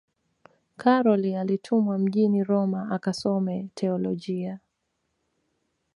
karol alitumwa mjini roma akasome teolojia